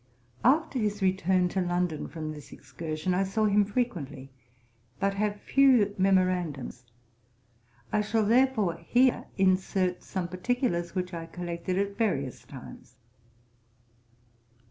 After his return to London from this excursion, I saw him frequently, but have few memorandums: I shall therefore here insert some particulars which I collected at various times.